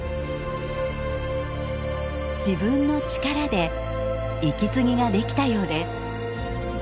自分の力で息継ぎができたようです。